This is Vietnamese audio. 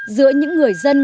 giữa những người dân